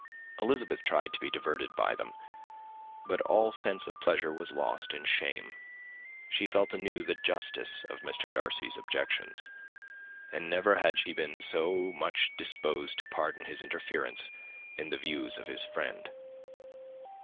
Elizabeth tried to be diverted by them; but all sense of pleasure was lost in shame. She felt anew the justice of Mr. Darcy's objections; and never had she before been so much disposed to pardon his interference in the views of his friend.